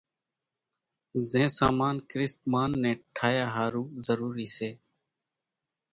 زين سامان ڪريست مانَ ني ٺاھيا ۿارُو ضروري سي۔